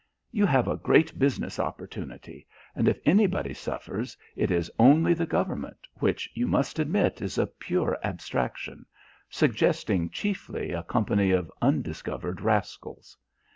You have a great business opportunity, and if anybody suffers it is only the Government, which you must admit is a pure abstraction suggesting chiefly a company of undiscovered rascals.